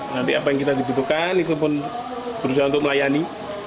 nanti apa yang kita dibutuhkan itu pun berusaha untuk melayani